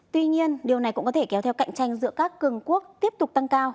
tuy nhiên điều này cũng có thể kéo theo cạnh tranh giữa các cường quốc tiếp tục tăng cao